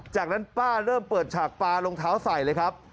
จากนั้นป้าเริ่มเปิดฉากปลารองเท้าใส่เลยครับ